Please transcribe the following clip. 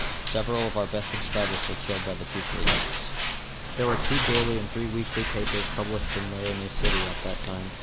Several of our best subscribers were killed by the peaceful Utes. There were two daily and three weekly papers published in Laramie City av that time.